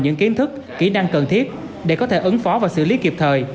những kiến thức kỹ năng cần thiết để có thể ứng phó và xử lý kịp thời